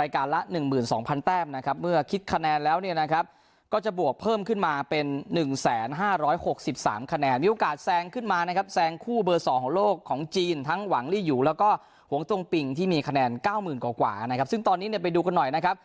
รายการละ๑๒๐๐แต้มนะครับเมื่อคิดคะแนนแล้วเนี่ยนะครับก็จะบวกเพิ่มขึ้นมาเป็น๑๕๖๓คะแนนมีโอกาสแซงขึ้นมานะครับแซงคู่เบอร์๒ของโลกของจีนทั้งหวังลี่ยูแล้วก็หงจงปิงที่มีคะแนนเก้าหมื่นกว่านะครับซึ่งตอนนี้เนี่ยไปดูกันหน่อยนะครับ